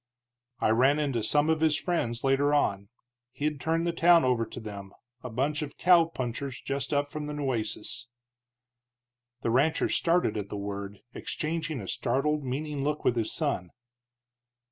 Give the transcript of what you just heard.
"I ran into some of his friends later on. He'd turned the town over to them, a bunch of cowpunchers just up from the Nueces." The rancher started at the word, exchanging a startled, meaning look with his son.